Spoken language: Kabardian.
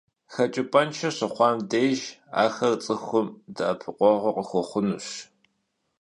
Xeç'ıp'enşşe şixuam dêjj axer ts'ıxum de'epıkhueğu khıxuexhunuş.